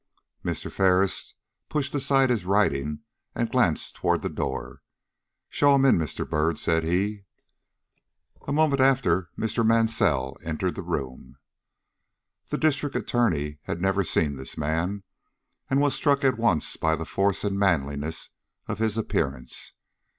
Mr. Ferris pushed aside his writing and glanced toward the door. "Show him in, Mr. Byrd," said he. A moment after Mr. Mansell entered the room. The District Attorney had never seen this man, and was struck at once by the force and manliness of his appearance.